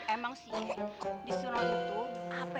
emang sih disuruh itu